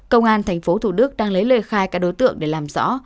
công an tp thủ đức đang lấy lời khai các đối tượng để làm rõ